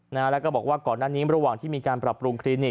แล้วก็บอกว่าก่อนนั้นนี้บรรถที่มีคลินิกปรับปรุง